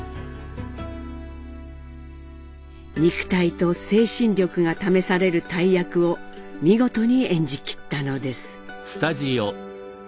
肉体と精神力が試される大役を見事に演じきったのです。